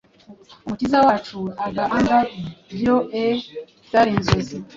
Umukiza wacu, ugaanga byoe byari inzozi,